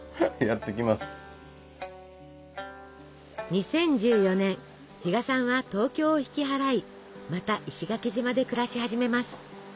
２０１４年比嘉さんは東京を引き払いまた石垣島で暮らし始めます。